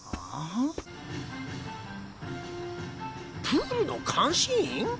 プールの監視員？